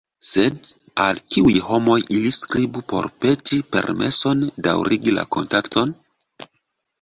Sed al kiuj homoj ili skribu por peti permeson daŭrigi la kontakton?